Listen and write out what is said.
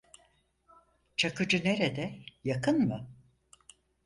Çakıcı nerede, yakın mı?